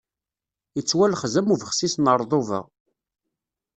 Ittwalxez am ubexsis n ṛṛḍuba.